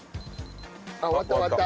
あっ終わった終わった。